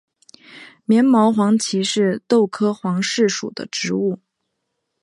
棉毛黄耆是豆科黄芪属的植物。